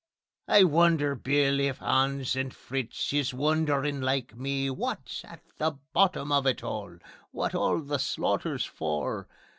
I wonder, Bill, if 'Ans and Fritz is wonderin' like me Wot's at the bottom of it all? Wot all the slaughter's for?